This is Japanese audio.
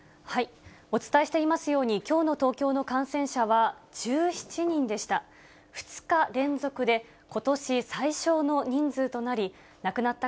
お伝えしていますように、きょうの東京の感染者は１７人でした。